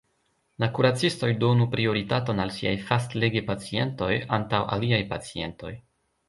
La kuracistoj donu prioritaton al siaj fastlege-pacientoj antaŭ aliaj pacientoj.